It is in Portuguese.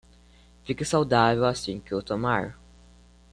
Fique saudável assim que o tomar